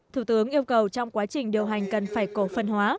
thủ tướng yêu cầu trong quá trình điều hành cần phải cổ phần hóa